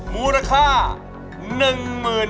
มาฟังอินโทรเพลงที่๑๐